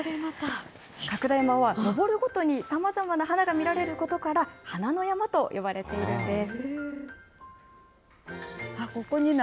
角田山は登るごとにさまざまな花が見られることから、花の山と呼ばれているんです。